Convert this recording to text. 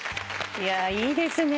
いやいいですね。